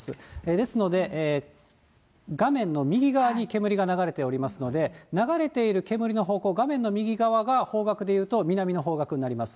ですので、画面の右側に煙が流れておりますので、流れている煙の方向、画面の右側が、方角で言うと南の方角になります。